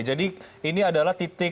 jadi ini adalah titiknya